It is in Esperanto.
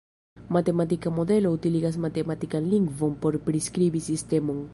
Matematika modelo utiligas matematikan lingvon por priskribi sistemon.